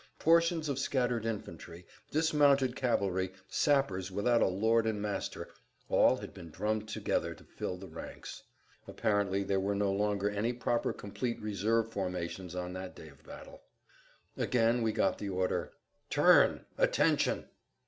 Portions of scattered infantry, dismounted cavalry, sappers without a lord and master, all had been drummed together to fill the ranks. Apparently there were no longer any proper complete reserve formations on that day of battle. Again we got the order, "Turn! Attention!"